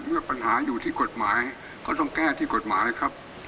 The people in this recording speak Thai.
เมื่อปัญหาอยู่ที่กฎหมายก็ต้องแก้ที่กฎหมายครับ